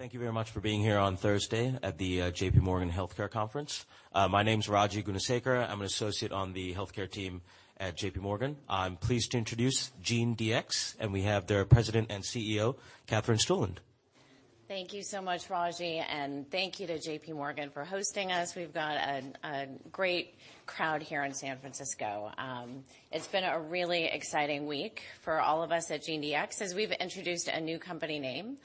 Thank you very much for being here on Thursday at the JPMorgan Healthcare Conference. My name's Raji Gunasekera. I'm an associate on the healthcare team at JPMorgan. I'm pleased to introduce GeneDx, and we have their President and CEO, Katherine Stueland. Thank you so much, Raji, and thank you to JPMorgan for hosting us. We've got a great crowd here in San Francisco. It's been a really exciting week for all of us at GeneDx. As we've introduced a new company name,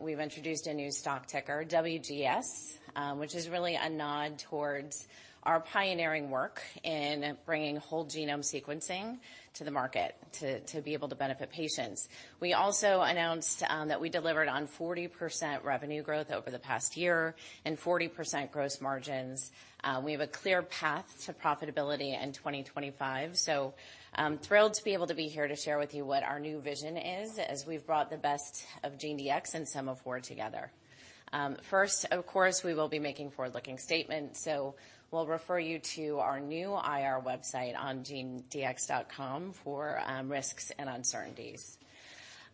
we've introduced a new stock ticker, WGS, which is really a nod towards our pioneering work in bringing whole genome sequencing to the market to be able to benefit patients. We also announced that we delivered on 40% revenue growth over the past year and 40% gross margins. We have a clear path to profitability in 2025, thrilled to be able to be here to share with you what our new vision is as we've brought the best of GeneDx and some of WAR together. First, of course, we will be making forward-looking statements, so we'll refer you to our new IR website on gendx.com for risks and uncertainties.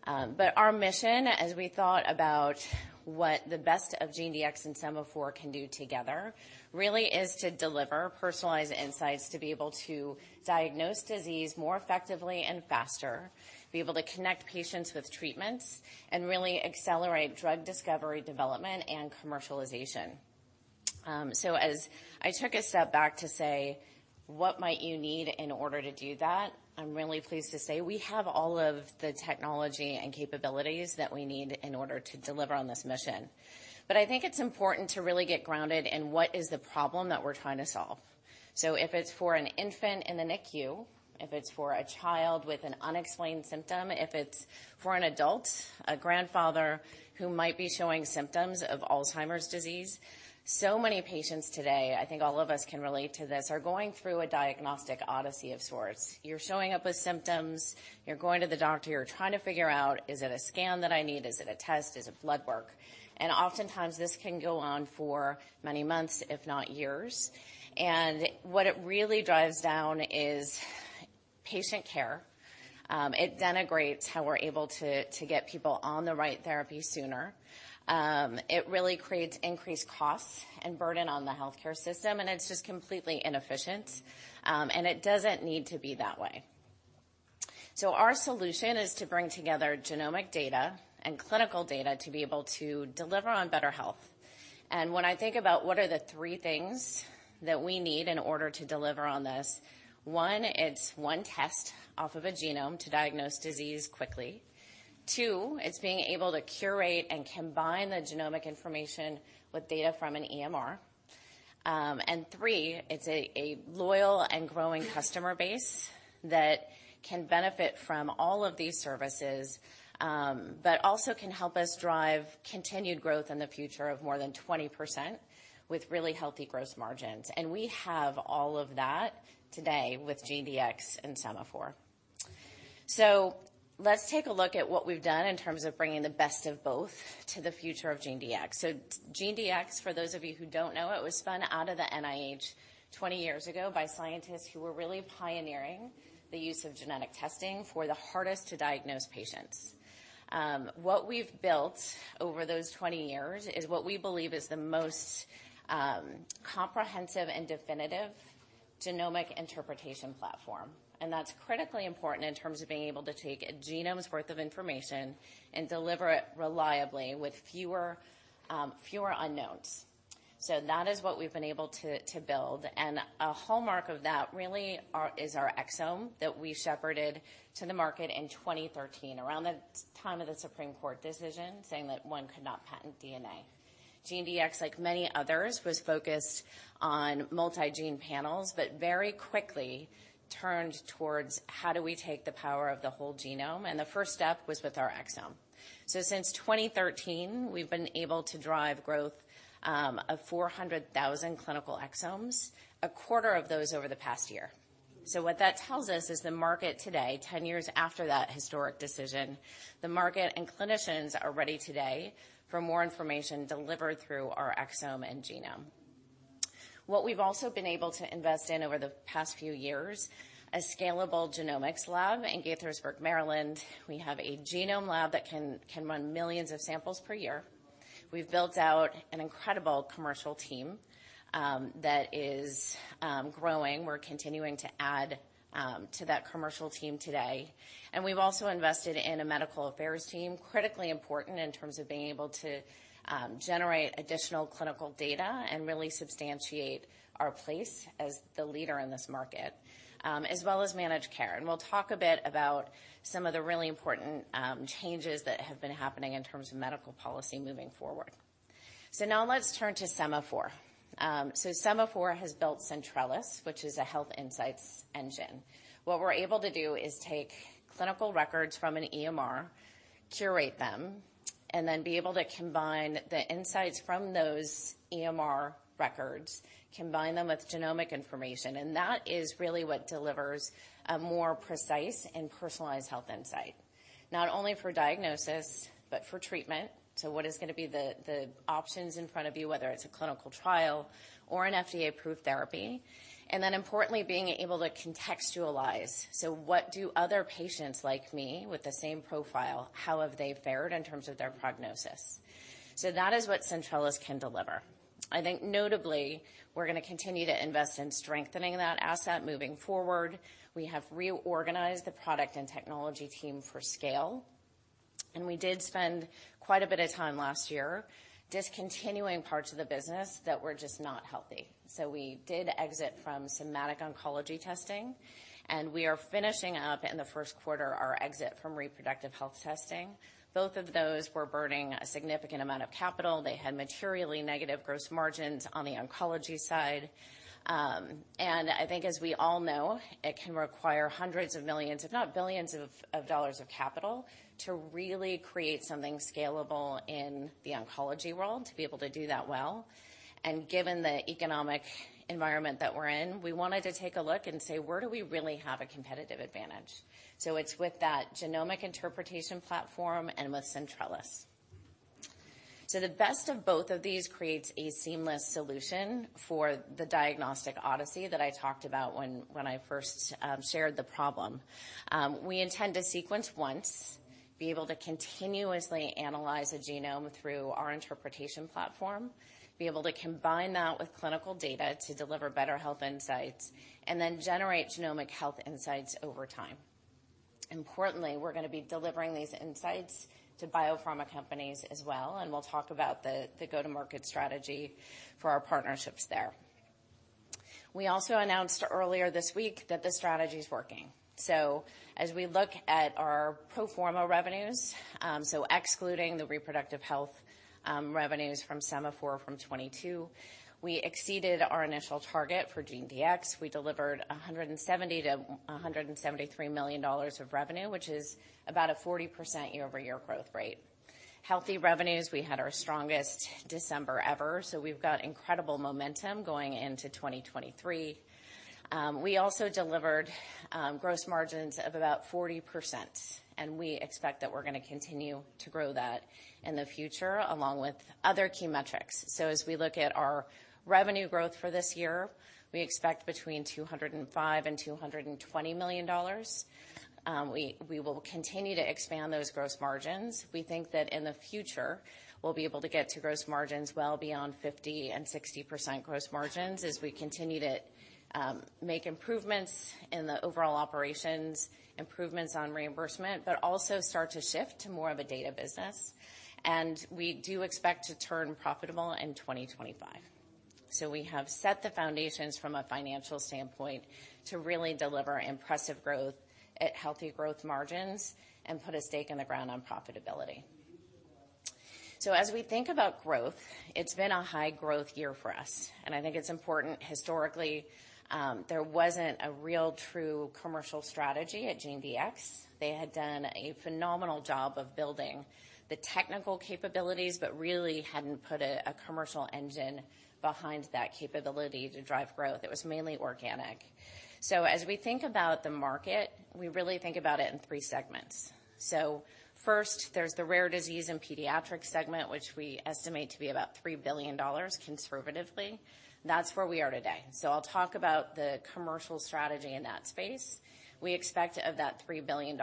But our mission, as we thought about what the best of GeneDx and some of Sema4 can do together, really is to deliver personalized insights to be able to diagnose disease more effectively and faster, be able to connect patients with treatments, and really accelerate drug discovery, development, and commercialization. As I took a step back to say, "What might you need in order to do that?" I'm really pleased to say we have all of the technology and capabilities that we need in order to deliver on this mission. I think it's important to really get grounded in what is the problem that we're trying to solve. If it's for an infant in the NICU, if it's for a child with an unexplained symptom, if it's for an adult, a grandfather who might be showing symptoms of Alzheimer's disease, so many patients today, I think all of us can relate to this, are going through a diagnostic odyssey of sorts. You're showing up with symptoms, you're going to the doctor, you're trying to figure out, "Is it a scan that I need? Is it a test? Is it blood work?" Oftentimes this can go on for many months, if not years. What it really drives down is patient care. It denigrates how we're able to get people on the right therapy sooner. It really creates increased costs and burden on the healthcare system, and it's just completely inefficient. It doesn't need to be that way. Our solution is to bring together genomic data and clinical data to be able to deliver on better health. When I think about what are the three things that we need in order to deliver on this, one, it's one test off of a genome to diagnose disease quickly. Two, it's being able to curate and combine the genomic information with data from an EMR. Three, it's a loyal and growing customer base that can benefit from all of these services, but also can help us drive continued growth in the future of more than 20% with really healthy gross margins. We have all of that today with GeneDx and Sema4. Let's take a look at what we've done in terms of bringing the best of both to the future of GeneDx. GeneDx, for those of you who don't know, it was spun out of the NIH 20 years ago by scientists who were really pioneering the use of genetic testing for the hardest-to-diagnose patients. What we've built over those 20 years is what we believe is the most comprehensive and definitive genomic interpretation platform. That's critically important in terms of being able to take a genome's worth of information and deliver it reliably with fewer, fewer unknowns. That is what we've been able to build. A hallmark of that really is our exome that we shepherded to the market in 2013, around the time of the Supreme Court decision saying that one could not patent DNA. GeneDx, like many others, was focused on multi-gene panels but very quickly turned towards how do we take the power of the whole genome. The first step was with our exome. Since 2013, we've been able to drive growth, of 400,000 clinical exomes, a quarter of those over the past year. What that tells us is the market today, 10 years after that historic decision, the market and clinicians are ready today for more information delivered through our exome and genome. What we've also been able to invest in over the past few years is a scalable genomics lab in Gaithersburg, Maryland. We have a genome lab that can run millions of samples per year. We've built out an incredible commercial team, that is growing. We're continuing to add to that commercial team today. We have also invested in a medical affairs team, critically important in terms of being able to generate additional clinical data and really substantiate our place as the leader in this market, as well as manage care. We will talk a bit about some of the really important changes that have been happening in terms of medical policy moving forward. Now let's turn to Sema4. Sema4 has built Centrellis, which is a health insights engine. What we are able to do is take clinical records from an EMR, curate them, and then be able to combine the insights from those EMR records, combine them with genomic information. That is really what delivers a more precise and personalized health insight, not only for diagnosis but for treatment. What is gonna be the options in front of you, whether it's a clinical trial or an FDA-approved therapy? Importantly, being able to contextualize. What do other patients like me with the same profile, how have they fared in terms of their prognosis? That is what Centrellis can deliver. I think notably, we're gonna continue to invest in strengthening that asset moving forward. We have reorganized the product and technology team for scale. We did spend quite a bit of time last year discontinuing parts of the business that were just not healthy. We did exit from somatic oncology testing, and we are finishing up in the first quarter our exit from reproductive health testing. Both of those were burning a significant amount of capital. They had materially negative gross margins on the oncology side. I think as we all know, it can require hundreds of millions, if not billions, of dollars of capital to really create something scalable in the oncology world, to be able to do that well. Given the economic environment that we're in, we wanted to take a look and say, "Where do we really have a competitive advantage?" It is with that genomic interpretation platform and with Centrellis. The best of both of these creates a seamless solution for the diagnostic odyssey that I talked about when I first shared the problem. We intend to sequence once, be able to continuously analyze a genome through our interpretation platform, be able to combine that with clinical data to deliver better health insights, and then generate genomic health insights over time. Importantly, we're gonna be delivering these insights to biopharma companies as well, and we'll talk about the go-to-market strategy for our partnerships there. We also announced earlier this week that the strategy's working. As we look at our pro forma revenues, excluding the reproductive health revenues from Sema4 from 2022, we exceeded our initial target for GeneDx. We delivered $170 million-$173 million of revenue, which is about a 40% year-over-year growth rate. Healthy revenues, we had our strongest December ever, so we've got incredible momentum going into 2023. We also delivered gross margins of about 40%, and we expect that we're gonna continue to grow that in the future along with other key metrics. As we look at our revenue growth for this year, we expect between $205 million and $220 million. We will continue to expand those gross margins. We think that in the future, we'll be able to get to gross margins well beyond 50%-60% gross margins as we continue to make improvements in the overall operations, improvements on reimbursement, but also start to shift to more of a data business. We do expect to turn profitable in 2025. We have set the foundations from a financial standpoint to really deliver impressive growth at healthy growth margins and put a stake in the ground on profitability. As we think about growth, it's been a high-growth year for us. I think it's important historically, there wasn't a real true commercial strategy at GeneDx. They had done a phenomenal job of building the technical capabilities but really hadn't put a commercial engine behind that capability to drive growth. It was mainly organic. As we think about the market, we really think about it in three segments. First, there's the rare disease and pediatrics segment, which we estimate to be about $3 billion conservatively. That's where we are today. I'll talk about the commercial strategy in that space. We expect of that $3 billion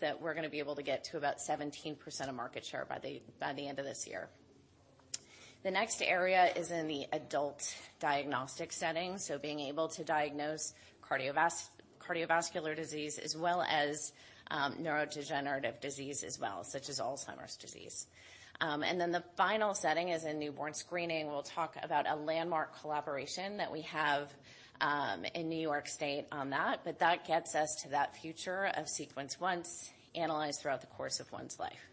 that we're gonna be able to get to about 17% of market share by the end of this year. The next area is in the adult diagnostic setting, so being able to diagnose cardiovascular disease as well as neurodegenerative disease as well, such as Alzheimer's disease. Then the final setting is in newborn screening. We'll talk about a landmark collaboration that we have in New York State on that, but that gets us to that future of sequence once analyzed throughout the course of one's life.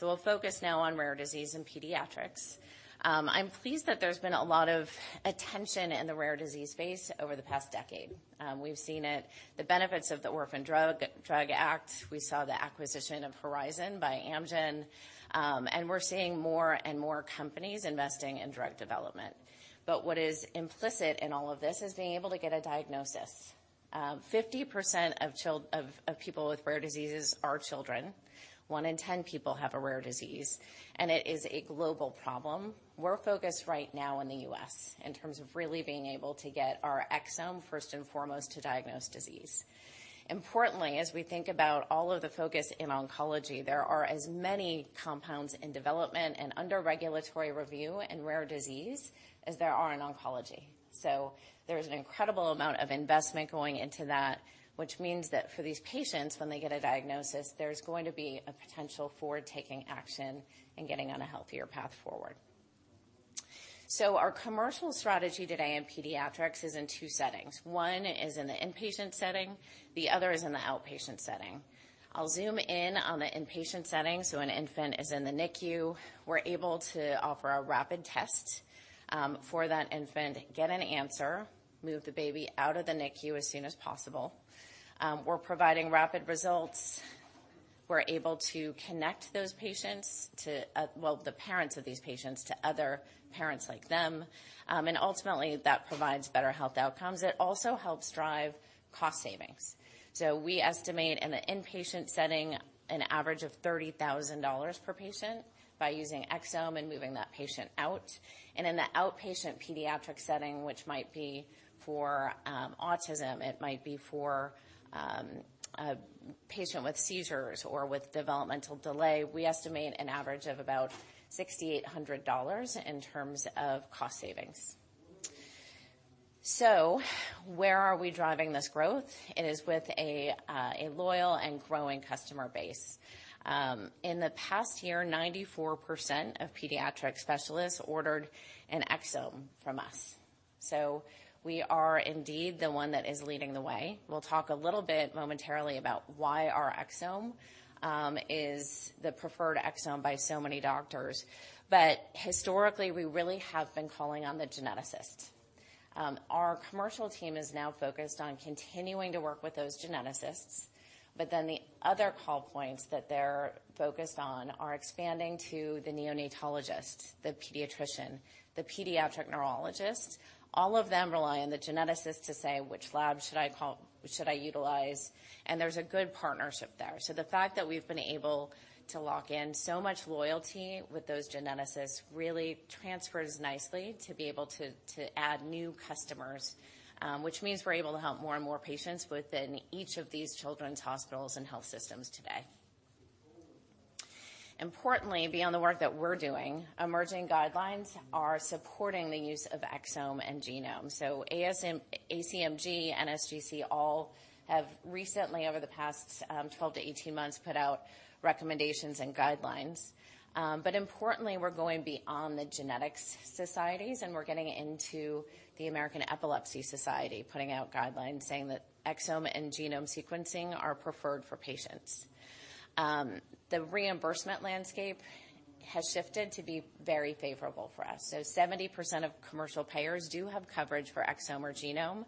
We'll focus now on rare disease and pediatrics. I'm pleased that there's been a lot of attention in the rare disease space over the past decade. We've seen it, the benefits of the Orphan Drug Act. We saw the acquisition of Horizon by Amgen, and we're seeing more and more companies investing in drug development. What is implicit in all of this is being able to get a diagnosis. 50% of people with rare diseases are children. One in 10 people have a rare disease, and it is a global problem. We're focused right now in the U.S. in terms of really being able to get our exome first and foremost to diagnose disease. Importantly, as we think about all of the focus in oncology, there are as many compounds in development and under regulatory review in rare disease as there are in oncology. There's an incredible amount of investment going into that, which means that for these patients, when they get a diagnosis, there's going to be a potential for taking action and getting on a healthier path forward. Our commercial strategy today in pediatrics is in two settings. One is in the inpatient setting. The other is in the outpatient setting. I'll zoom in on the inpatient setting. An infant is in the NICU. We're able to offer a rapid test for that infant, get an answer, move the baby out of the NICU as soon as possible. We're providing rapid results. We're able to connect those patients to, well, the parents of these patients to other parents like them. Ultimately that provides better health outcomes. It also helps drive cost savings. We estimate in the inpatient setting an average of $30,000 per patient by using exome and moving that patient out. In the outpatient pediatric setting, which might be for autism, it might be for a patient with seizures or with developmental delay, we estimate an average of about $6,800 in terms of cost savings. Where are we driving this growth? It is with a loyal and growing customer base. In the past year, 94% of pediatric specialists ordered an exome from us. We are indeed the one that is leading the way. We'll talk a little bit momentarily about why our exome is the preferred exome by so many doctors. Historically, we really have been calling on the geneticists. Our commercial team is now focused on continuing to work with those geneticists. The other call points that they're focused on are expanding to the neonatologist, the pediatrician, the pediatric neurologist. All of them rely on the geneticists to say, "Which lab should I call? Should I utilize?" There's a good partnership there. The fact that we've been able to lock in so much loyalty with those geneticists really transfers nicely to be able to add new customers, which means we're able to help more and more patients within each of these children's hospitals and health systems today. Importantly, beyond the work that we're doing, emerging guidelines are supporting the use of exome and genome. ACMG, NSGC all have recently, over the past 12 months-18 months, put out recommendations and guidelines. Importantly, we're going beyond the genetics societies, and we're getting into the American Epilepsy Society, putting out guidelines saying that exome and genome sequencing are preferred for patients. The reimbursement landscape has shifted to be very favorable for us. 70% of commercial payers do have coverage for exome or genome.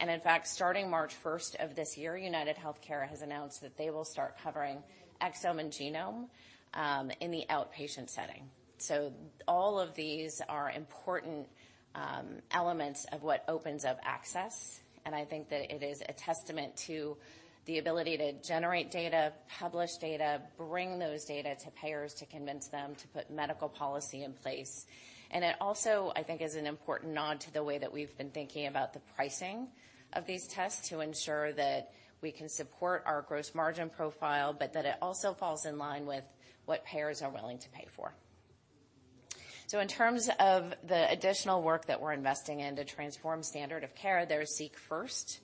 In fact, starting March 1st of this year, UnitedHealthcare has announced that they will start covering exome and genome in the outpatient setting. All of these are important elements of what opens up access. I think that it is a testament to the ability to generate data, publish data, bring those data to payers to convince them to put medical policy in place. It also, I think, is an important nod to the way that we've been thinking about the pricing of these tests to ensure that we can support our gross margin profile, but that it also falls in line with what payers are willing to pay for. In terms of the additional work that we're investing in to transform standard of care, there's Seek First,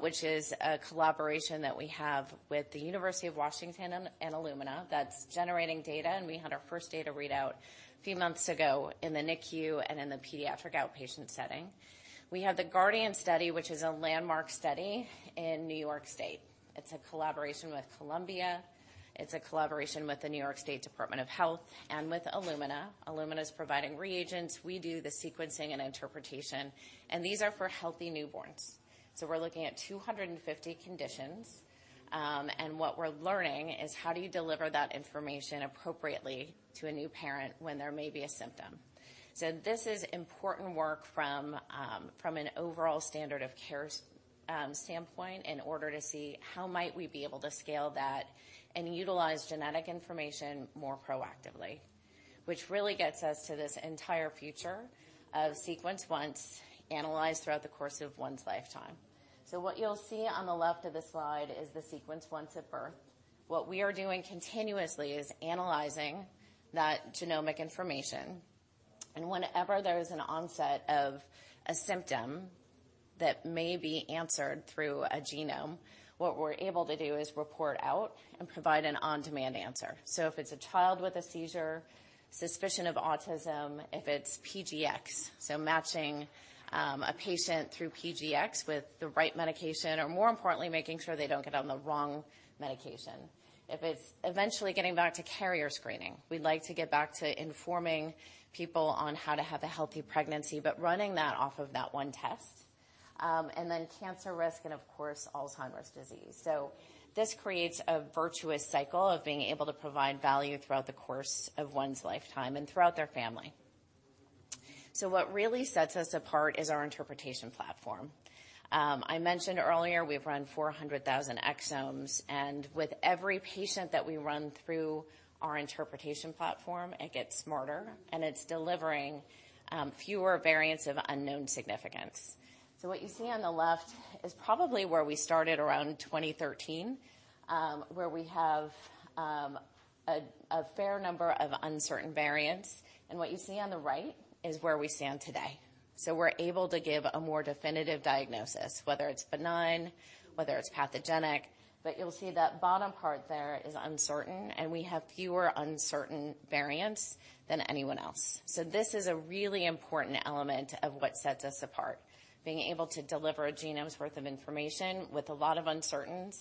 which is a collaboration that we have with the University of Washington and Illumina that's generating data. We had our first data readout a few months ago in the NICU and in the pediatric outpatient setting. We have The GUARDIAN Study, which is a landmark study in New York State. It's a collaboration with Columbia. It's a collaboration with the New York State Department of Health and with Illumina. Illumina is providing reagents. We do the sequencing and interpretation, and these are for healthy newborns. We are looking at 250 conditions. What we are learning is how do you deliver that information appropriately to a new parent when there may be a symptom? This is important work from an overall standard of care standpoint in order to see how we might be able to scale that and utilize genetic information more proactively, which really gets us to this entire future of sequence once, analyzed throughout the course of one's lifetime. What you will see on the left of the slide is the sequence once at birth. What we are doing continuously is analyzing that genomic information. Whenever there is an onset of a symptom that may be answered through a genome, what we are able to do is report out and provide an on-demand answer. If it's a child with a seizure, suspicion of autism, if it's PGx, so matching a patient through PGx with the right medication, or more importantly, making sure they don't get on the wrong medication. If it's eventually getting back to carrier screening, we'd like to get back to informing people on how to have a healthy pregnancy, but running that off of that one test, and then cancer risk and, of course, Alzheimer's disease. This creates a virtuous cycle of being able to provide value throughout the course of one's lifetime and throughout their family. What really sets us apart is our interpretation platform. I mentioned earlier we've run 400,000 exomes, and with every patient that we run through our interpretation platform, it gets smarter and it's delivering fewer variants of unknown significance. What you see on the left is probably where we started around 2013, where we have a fair number of uncertain variants. What you see on the right is where we stand today. We are able to give a more definitive diagnosis, whether it is benign, whether it is pathogenic. You will see that bottom part there is uncertain, and we have fewer uncertain variants than anyone else. This is a really important element of what sets us apart. Being able to deliver a genome's worth of information with a lot of uncertainty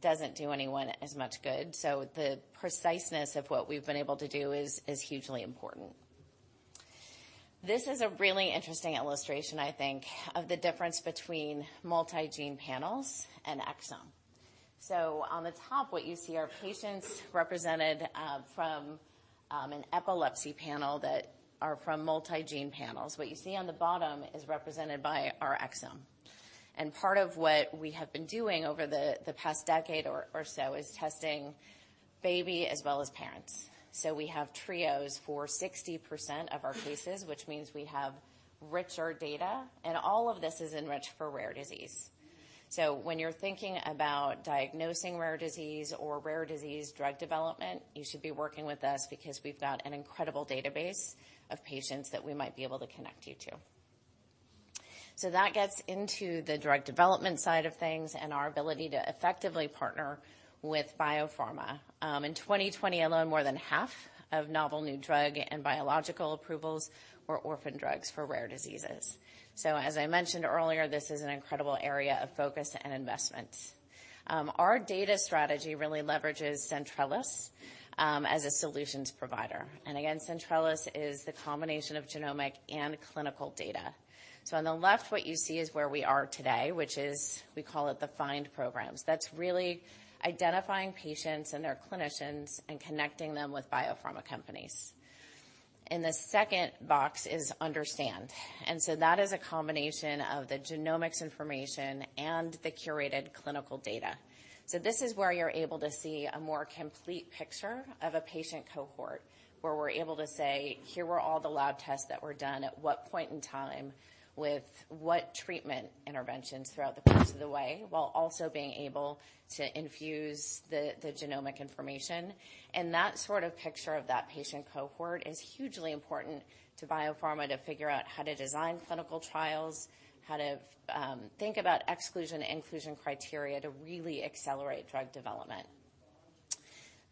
does not do anyone as much good. The preciseness of what we have been able to do is hugely important. This is a really interesting illustration, I think, of the difference between multi-gene panels and exome. On the top, what you see are patients represented from an epilepsy panel that are from multi-gene panels. What you see on the bottom is represented by our exome. Part of what we have been doing over the past decade or so is testing baby as well as parents. We have trios for 60% of our cases, which means we have richer data, and all of this is enriched for rare disease. When you're thinking about diagnosing rare disease or rare disease drug development, you should be working with us because we've got an incredible database of patients that we might be able to connect you to. That gets into the drug development side of things and our ability to effectively partner with biopharma. In 2020 alone, more than half of novel new drug and biological approvals were orphan drugs for rare diseases. As I mentioned earlier, this is an incredible area of focus and investments. Our data strategy really leverages Centrellis, as a solutions provider. Centrellis is the combination of genomic and clinical data. On the left, what you see is where we are today, which is we call it the find programs. That is really identifying patients and their clinicians and connecting them with biopharma companies. The second box is understand. That is a combination of the genomics information and the curated clinical data. This is where you're able to see a more complete picture of a patient cohort where we're able to say, "Here were all the lab tests that were done at what point in time with what treatment interventions throughout the course of the way," while also being able to infuse the genomic information. That sort of picture of that patient cohort is hugely important to biopharma to figure out how to design clinical trials, how to think about exclusion and inclusion criteria to really accelerate drug development.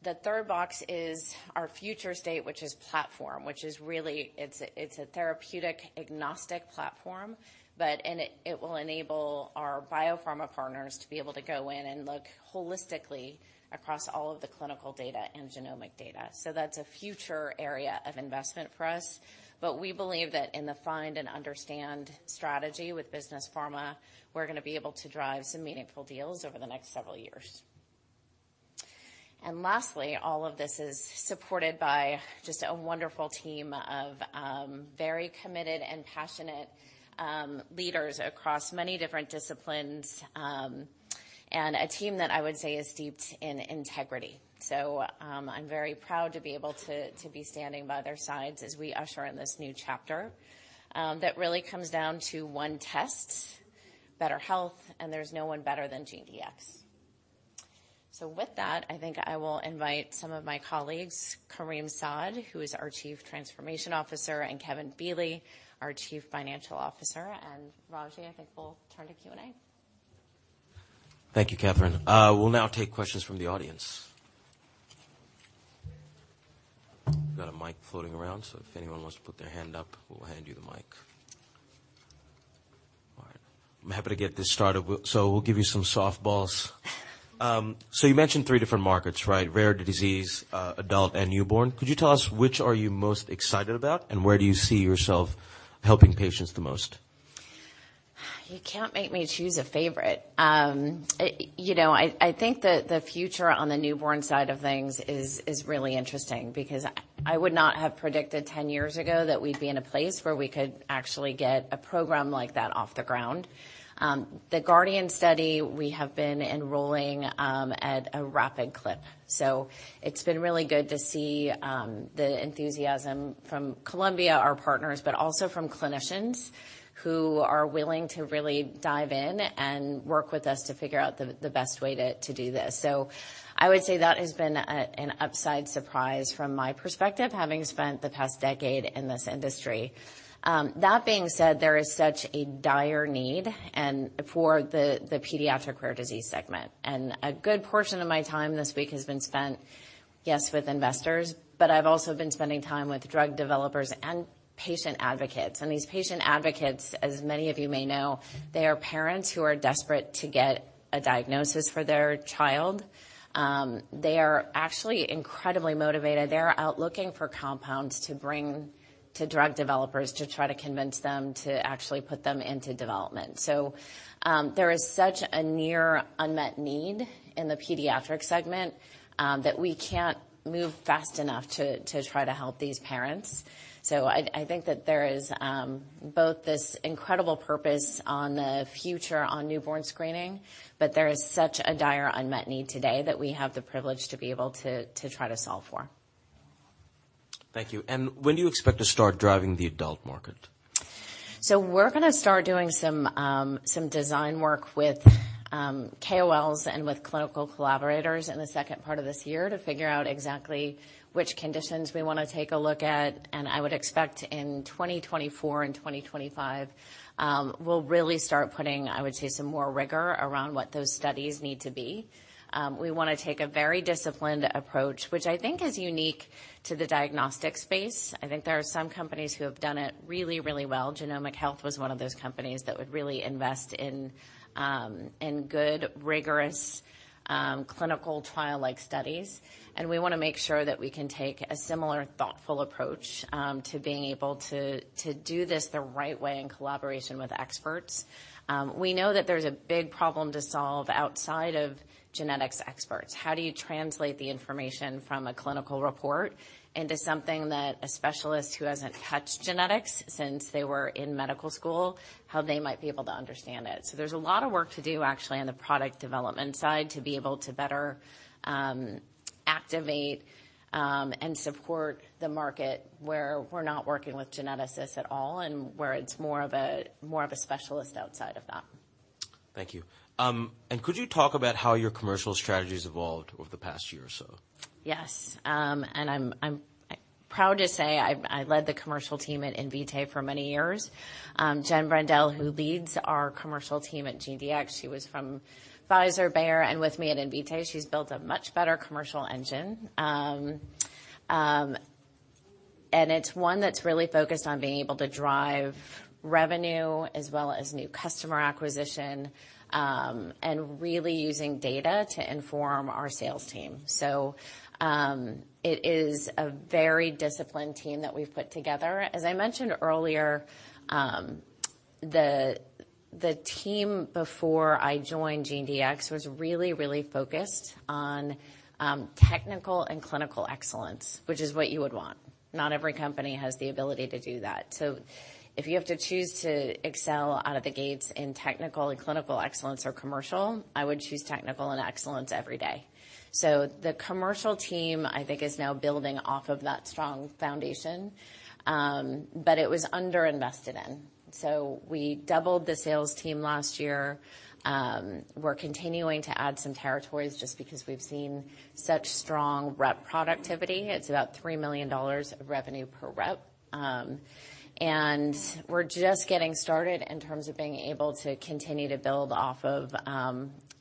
The third box is our future state, which is platform, which is really, it's a therapeutic agnostic platform, but it will enable our biopharma partners to be able to go in and look holistically across all of the clinical data and genomic data. That is a future area of investment for us. We believe that in the find and understand strategy with business pharma, we're gonna be able to drive some meaningful deals over the next several years. Lastly, all of this is supported by just a wonderful team of very committed and passionate leaders across many different disciplines, and a team that I would say is steeped in integrity. I'm very proud to be able to be standing by their sides as we usher in this new chapter, that really comes down to one test: better health, and there's no one better than GeneDx. With that, I think I will invite some of my colleagues, Kareem Saad, who is our Chief Transformation Officer, and Kevin Feeley, our Chief Financial Officer. Raji, I think we'll turn to Q&A. Thank you, Katherine. We'll now take questions from the audience. We've got a mic floating around, so if anyone wants to put their hand up, we'll hand you the mic. All right. I'm happy to get this started. We'll give you some soft balls. You mentioned three different markets, right? Rare disease, adult and newborn. Could you tell us which are you most excited about and where do you see yourself helping patients the most? You can't make me choose a favorite. You know, I think the future on the newborn side of things is really interesting because I would not have predicted 10 years ago that we'd be in a place where we could actually get a program like that off the ground. The Guardian Study, we have been enrolling at a rapid clip. It has been really good to see the enthusiasm from Columbia, our partners, but also from clinicians who are willing to really dive in and work with us to figure out the best way to do this. I would say that has been an upside surprise from my perspective, having spent the past decade in this industry. That being said, there is such a dire need for the pediatric rare disease segment. A good portion of my time this week has been spent, yes, with investors, but I've also been spending time with drug developers and patient advocates. These patient advocates, as many of you may know, are parents who are desperate to get a diagnosis for their child. They are actually incredibly motivated. They are out looking for compounds to bring to drug developers to try to convince them to actually put them into development. There is such a near unmet need in the pediatric segment that we can't move fast enough to try to help these parents. I think that there is both this incredible purpose on the future on newborn screening, but there is such a dire unmet need today that we have the privilege to be able to try to solve for. Thank you. When do you expect to start driving the adult market? We're gonna start doing some design work with KOLs and with clinical collaborators in the second part of this year to figure out exactly which conditions we wanna take a look at. I would expect in 2024 and 2025, we'll really start putting, I would say, some more rigor around what those studies need to be. We wanna take a very disciplined approach, which I think is unique to the diagnostic space. I think there are some companies who have done it really, really well. Genomic Health was one of those companies that would really invest in good, rigorous, clinical trial-like studies. We wanna make sure that we can take a similar thoughtful approach to being able to do this the right way in collaboration with experts. We know that there's a big problem to solve outside of genetics experts. How do you translate the information from a clinical report into something that a specialist who hasn't touched genetics since they were in medical school, how they might be able to understand it? There is a lot of work to do, actually, on the product development side to be able to better activate and support the market where we're not working with geneticists at all and where it's more of a specialist outside of that. Thank you. Could you talk about how your commercial strategy has evolved over the past year or so? Yes. I'm proud to say I led the commercial team at Invitae for many years. Jen Brendel, who leads our commercial team at GeneDx, she was from Pfizer, Bayer, and with me at Invitae, she's built a much better commercial engine. It's one that's really focused on being able to drive revenue as well as new customer acquisition, and really using data to inform our sales team. It is a very disciplined team that we've put together. As I mentioned earlier, the team before I joined GeneDx was really, really focused on technical and clinical excellence, which is what you would want. Not every company has the ability to do that. If you have to choose to excel out of the gates in technical and clinical excellence or commercial, I would choose technical and excellence every day. The commercial team, I think, is now building off of that strong foundation, but it was underinvested in. We doubled the sales team last year. We're continuing to add some territories just because we've seen such strong rep productivity. It's about $3 million of revenue per rep. We're just getting started in terms of being able to continue to build off of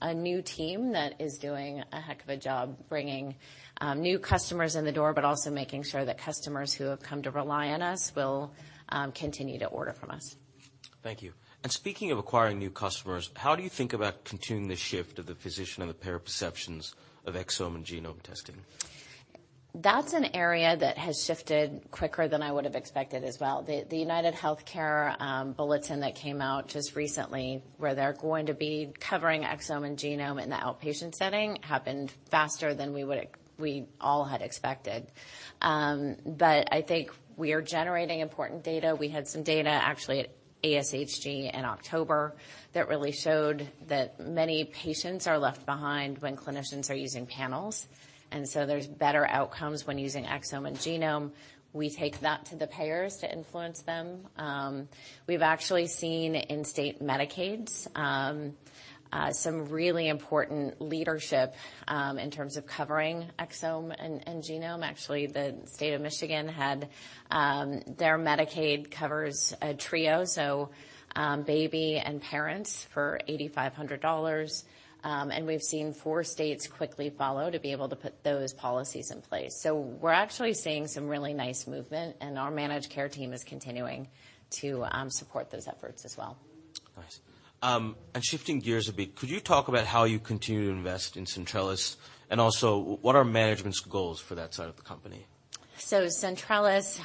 a new team that is doing a heck of a job bringing new customers in the door, but also making sure that customers who have come to rely on us will continue to order from us. Thank you. Speaking of acquiring new customers, how do you think about continuing the shift of the physician and the payer perceptions of exome and genome testing? That's an area that has shifted quicker than I would have expected as well. The UnitedHealthcare bulletin that came out just recently where they're going to be covering exome and genome in the outpatient setting happened faster than we all had expected. I think we are generating important data. We had some data actually at ASHG in October that really showed that many patients are left behind when clinicians are using panels. There are better outcomes when using exome and genome. We take that to the payers to influence them. We've actually seen in state Medicaids some really important leadership in terms of covering exome and genome. Actually, the state of Michigan had, their Medicaid covers a trio, so, baby and parents for $8,500. We've seen four states quickly follow to be able to put those policies in place. We're actually seeing some really nice movement, and our managed care team is continuing to support those efforts as well. Nice. Shifting gears a bit, could you talk about how you continue to invest in Centrellis and also what are management's goals for that side of the company? Centrellis,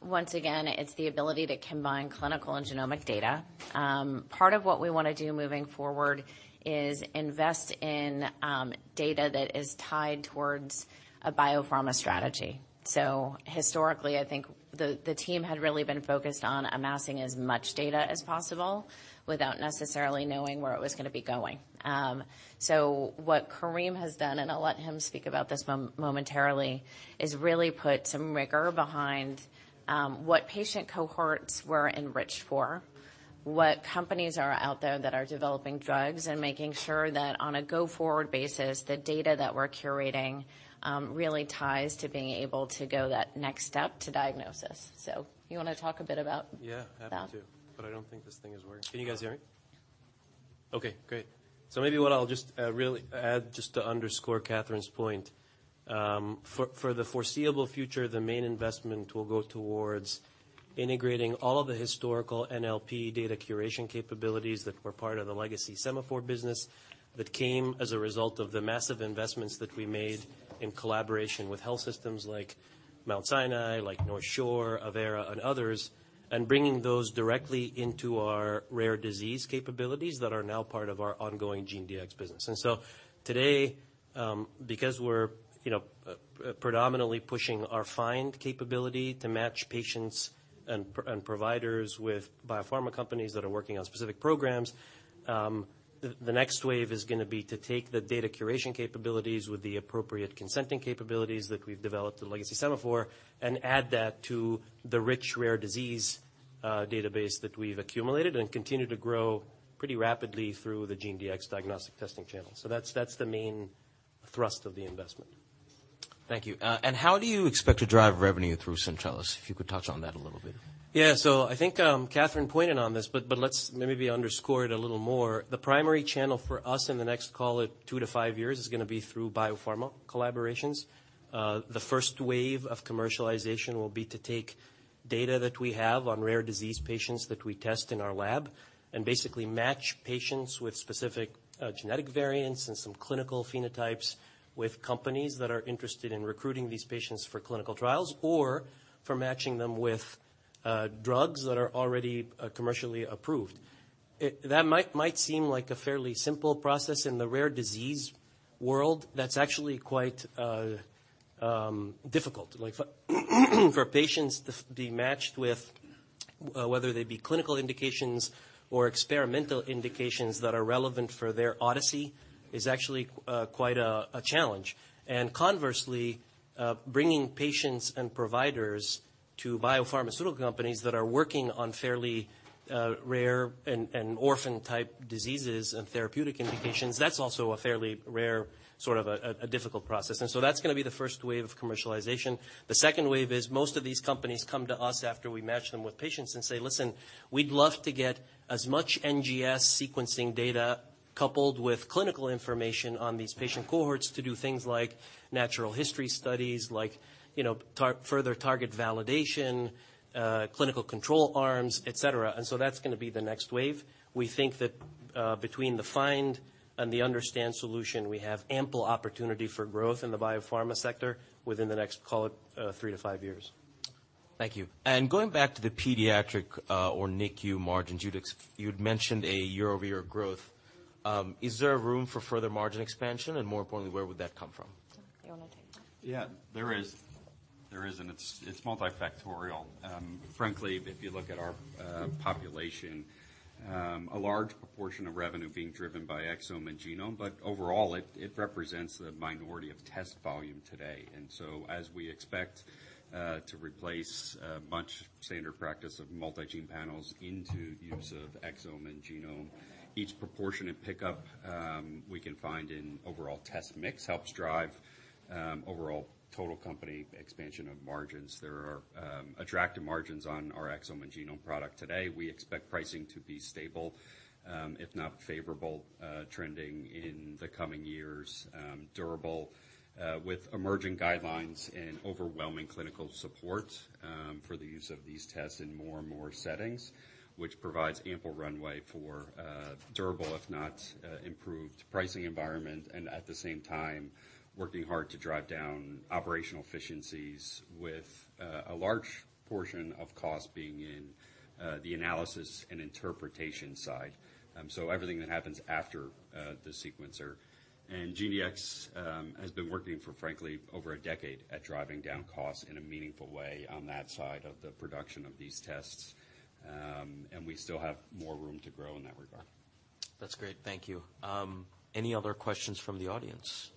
once again, it's the ability to combine clinical and genomic data. Part of what we wanna do moving forward is invest in data that is tied towards a biopharma strategy. Historically, I think the team had really been focused on amassing as much data as possible without necessarily knowing where it was gonna be going. What Kareem has done, and I'll let him speak about this momentarily, is really put some rigor behind what patient cohorts were enriched for, what companies are out there that are developing drugs, and making sure that on a go-forward basis, the data that we're curating really ties to being able to go that next step to diagnosis. You want to talk a bit about that? Yeah, happy to. I don't think this thing is working. Can you guys hear me? Okay, great. Maybe what I'll just really add, just to underscore Katherine's point, for the foreseeable future, the main investment will go towards integrating all of the historical NLP data curation capabilities that were part of the legacy Sema4 business that came as a result of the massive investments that we made in collaboration with health systems like Mount Sinai, like North Shore, Avera, and others, and bringing those directly into our rare disease capabilities that are now part of our ongoing GeneDx business. Today, because we're, you know, predominantly pushing our find capability to match patients and providers with biopharma companies that are working on specific programs, the next wave is gonna be to take the data curation capabilities with the appropriate consenting capabilities that we've developed to legacy Sema4 and add that to the rich rare disease database that we've accumulated and continue to grow pretty rapidly through the GeneDx diagnostic testing channel. That's the main thrust of the investment. Thank you. How do you expect to drive revenue through Centrellis? If you could touch on that a little bit. Yeah, I think Katherine pointed on this, but let's maybe underscore it a little more. The primary channel for us in the next, call it two to five years, is gonna be through biopharma collaborations. The first wave of commercialization will be to take data that we have on rare disease patients that we test in our lab and basically match patients with specific genetic variants and some clinical phenotypes with companies that are interested in recruiting these patients for clinical trials or for matching them with drugs that are already commercially approved. It might seem like a fairly simple process in the rare disease world. That's actually quite difficult. Like for patients to be matched with, whether they be clinical indications or experimental indications that are relevant for their odyssey, is actually quite a challenge. Conversely, bringing patients and providers to biopharmaceutical companies that are working on fairly rare and orphan-type diseases and therapeutic indications, that's also a fairly rare, sort of a difficult process. That is going to be the first wave of commercialization. The second wave is most of these companies come to us after we match them with patients and say, "Listen, we'd love to get as much NGS sequencing data coupled with clinical information on these patient cohorts to do things like natural history studies, like, you know, further target validation, clinical control arms, et cetera." That is going to be the next wave. We think that, between the find and the understand solution, we have ample opportunity for growth in the biopharma sector within the next, call it, three to five years. Thank you. Going back to the pediatric, or NICU margins, you'd mentioned a year-over-year growth. Is there room for further margin expansion? More importantly, where would that come from? You want to take that? Yeah, there is. There is. And it is multifactorial. Frankly, if you look at our population, a large proportion of revenue being driven by exome and genome, but overall, it represents the minority of test volume today. As we expect to replace much standard practice of multi-gene panels into use of exome and genome, each proportionate pickup we can find in overall test mix helps drive overall total company expansion of margins. There are attractive margins on our exome and genome product today. We expect pricing to be stable, if not favorable, trending in the coming years, durable, with emerging guidelines and overwhelming clinical support for the use of these tests in more and more settings, which provides ample runway for durable, if not improved, pricing environment, and at the same time, working hard to drive down operational efficiencies with a large portion of cost being in the analysis and interpretation side. Everything that happens after, the sequencer. And GeneDx has been working for, frankly, over a decade at driving down costs in a meaningful way on that side of the production of these tests. We still have more room to grow in that regard. That's great. Thank you. Any other questions from the audience?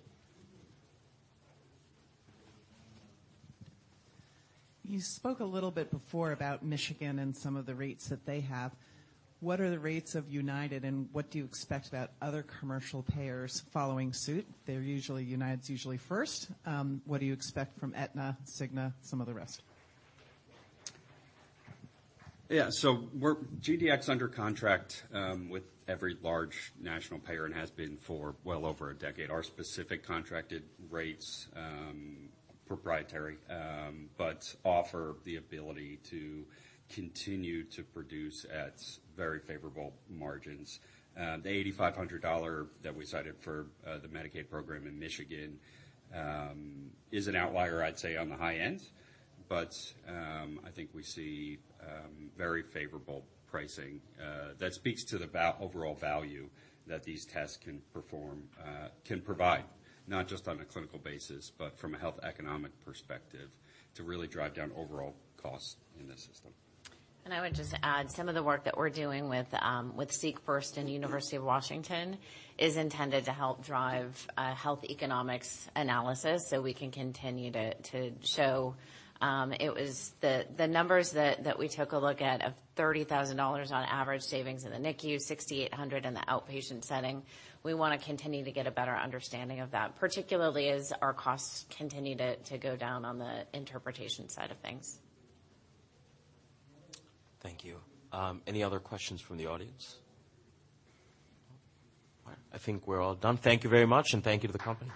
You spoke a little bit before about Michigan and some of the rates that they have. What are the rates of United, and what do you expect about other commercial payers following suit? They're usually, United's usually first. What do you expect from Aetna, Cigna, some of the rest? Yeah, so we're GeneDx under contract with every large national payer and have been for well over a decade. Our specific contracted rates are proprietary, but offer the ability to continue to produce at very favorable margins. The $8,500 that we cited for the Medicaid program in Michigan is an outlier, I'd say, on the high end, but I think we see very favorable pricing that speaks to the overall value that these tests can perform, can provide, not just on a clinical basis, but from a health economic perspective to really drive down overall costs in the system. I would just add some of the work that we're doing with Seek First and University of Washington is intended to help drive health economics analysis so we can continue to show, it was the numbers that we took a look at of $30,000 on average savings in the NICU, $6,800 in the outpatient setting. We want to continue to get a better understanding of that, particularly as our costs continue to go down on the interpretation side of things. Thank you. Any other questions from the audience? I think we're all done. Thank you very much, and thank you to the company.